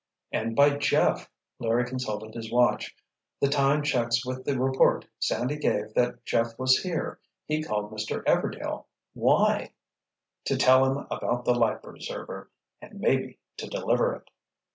"And by Jeff!" Larry consulted his watch. "The time checks with the report Sandy gave that Jeff was here. He called Mr. Everdail—why?" "To tell him about the life preserver—and maybe to deliver it!"